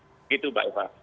begitu mbak eva